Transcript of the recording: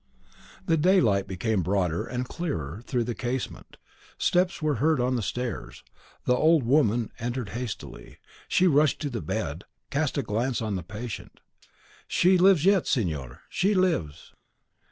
The daylight came broader and clearer through the casement; steps were heard on the stairs, the old woman entered hastily; she rushed to the bed, cast a glance on the patient, "She lives yet, signor, she lives!"